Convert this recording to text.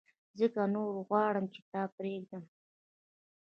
ځکه نو غواړم چي تا پرېږدم !